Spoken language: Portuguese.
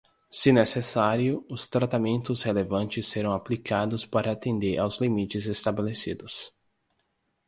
Se necessário, os tratamentos relevantes serão aplicados para atender aos limites estabelecidos.